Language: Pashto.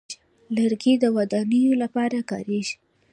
لرګی د ودانیو لپاره کارېږي.